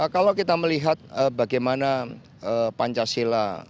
kalau kita melihat bagaimana pancasila